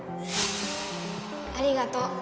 ありがとう。